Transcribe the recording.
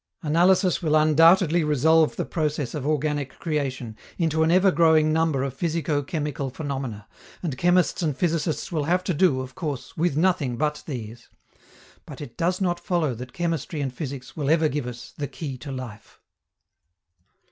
Analysis will undoubtedly resolve the process of organic creation into an ever growing number of physico chemical phenomena, and chemists and physicists will have to do, of course, with nothing but these. But it does not follow that chemistry and physics will ever give us the key to life.